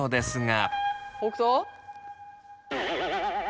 北斗？